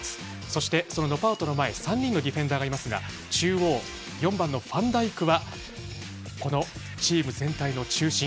そして、そのノパートの前に３人のディフェンダーがいますが中央、４番のファンダイクはチーム全体の中心。